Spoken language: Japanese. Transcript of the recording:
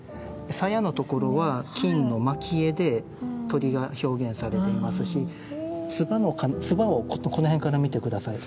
鞘の所は金の蒔絵で鳥が表現されていますしつばをこの辺から見て下さい。